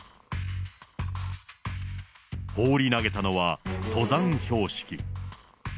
放り投げたのは登山標識。